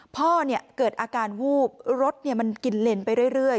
พ่อเนี้ยเกิดอาการวูบรถเนี้ยมันกินเล็นไปเรื่อยเรื่อย